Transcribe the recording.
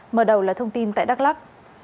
mở đầu là thông tin tại đắk lắk